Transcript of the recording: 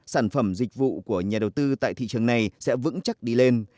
sản phẩm dịch vụ của nhà đầu tư tại thị trường này sẽ vững chắc đi lên